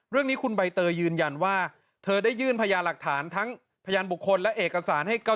เรื่องนี้คุณใบเตยยืนยันว่าเธอได้ยื่นพยาหลักฐานทั้งพยานบุคคลและเอกสารให้